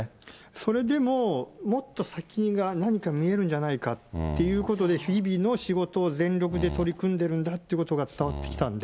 それでも、もっと先が何か見えるんじゃないかっていうことで、日々の仕事を全力で取り組んでるんだってことが伝わってきたんで。